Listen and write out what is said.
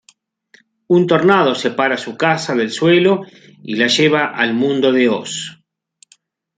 Un tornado separa su casa del suelo y la lleva al Mundo de Oz.